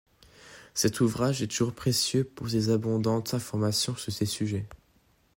Cet ouvrage est toujours précieux pour ses abondantes informations sur ces sujets.